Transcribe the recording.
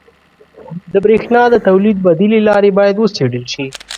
• د برېښنا د تولید بدیلې لارې باید وڅېړل شي.